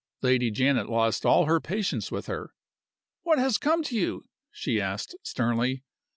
Lady Janet lost all her patience with her. "What has come to you?" she asked, sternly.